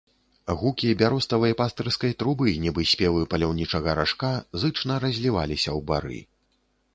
Гукі бяроставай пастырскай трубы, нібы спевы паляўнічага ражка, зычна разліваліся ў бары.